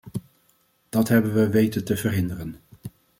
Dat hebben we weten te verhinderen.